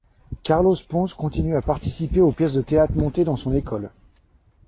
Carlos Ponce continue à participer aux pièces de théâtre montées dans son école.